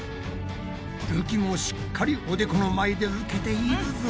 るきもしっかりおでこの前で受けているぞ！